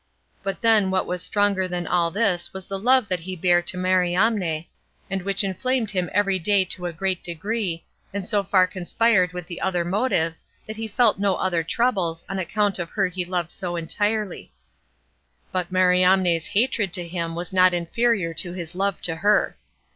But then what was stronger than all this was the love that he bare to Mariamne, and which inflamed him every day to a great degree, and so far conspired with the other motives, that he felt no other troubles, on account of her he loved so entirely. But Mariamne's hatred to him was not inferior to his love to her.